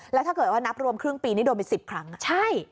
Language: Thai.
แล้วถ้าเกิดว่านับรวมครึ่งปีนี้โดนไป๑๐ครั้งใช่